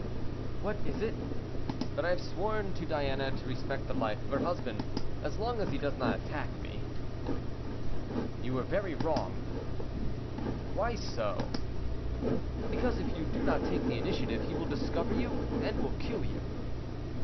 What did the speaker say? "What is it?" "That I have sworn to Diana to respect the life of her husband, as long as he does not attack me." "You were very wrong." "Why so?" "Because if you do not take the initiative, he will discover you, and will kill you."